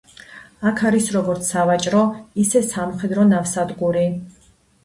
აქ არის როგორც სავაჭრო ისე სამხედრო ნავსადგური.